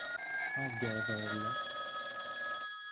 I gave her a look.